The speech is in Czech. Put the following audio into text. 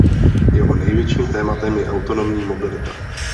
Jeho největším tématem je autonomní mobilita.